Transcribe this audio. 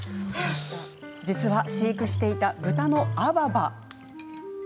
実は飼育していた豚のアババ。